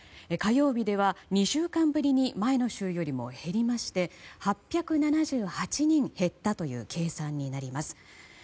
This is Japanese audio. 火曜日では２週間ぶりに前の週よりも減りまして８７８人減ったという計算になります。